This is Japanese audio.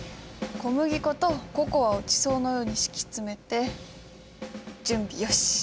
小麦粉とココアを地層のように敷き詰めて準備よし！